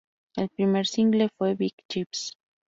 El primer single fue "Big Chips".